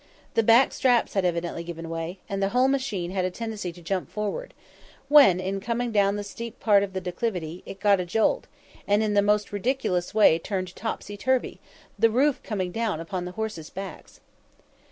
The back straps had evidently given way, and the whole machine had a tendency to jump forward, when, in coming down the steepest part of the declivity, it got a jolt, and in the most ridiculous way turned "topsy turvy," the roof coming down upon the horses' backs.